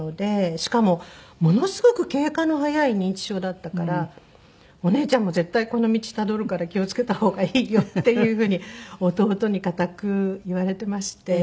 しかもものすごく経過の早い認知症だったから「お姉ちゃんも絶対この道たどるから気を付けた方がいいよ」っていうふうに弟に固く言われてまして。